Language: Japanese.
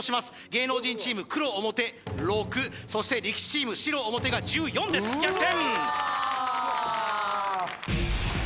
芸能人チーム黒表６そして力士チーム白表が１４です逆転！